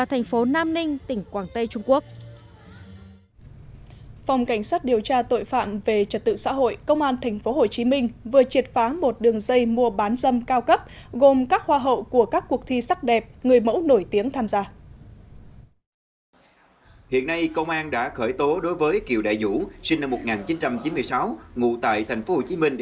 tổng thống nga sau năm hai nghìn một mươi chín